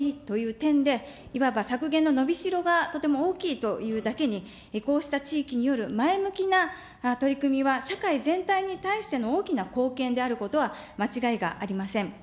現時点で排出されているＣＯ２が多いという点で、いわば削減の伸びしろがとても大きいというだけに、こうした地域による前向きな取り組みは社会全体に対しての大きな貢献であることは間違いがありません。